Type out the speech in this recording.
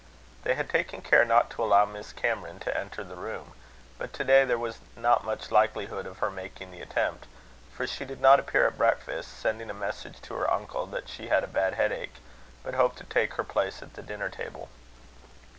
They had taken care not to allow Miss Cameron to enter the room; but to day there was not much likelihood of her making the attempt, for she did not appear at breakfast, sending a message to her uncle that she had a bad headache, but hoped to take her place at the dinner table.